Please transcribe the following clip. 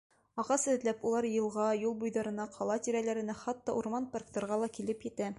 Ағас эҙләп, улар йылға, юл буйҙарына, ҡала тирәләренә, хатта урман-парктарға ла килеп етә.